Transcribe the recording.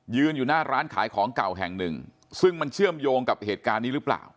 อยู่หน้าร้านขายของเก่าแห่งหนึ่งซึ่งมันเชื่อมโยงกับเหตุการณ์นี้หรือเปล่า